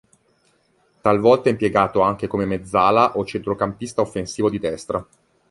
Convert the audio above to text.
Talvolta impiegato anche come mezzala o centrocampista offensivo di destra.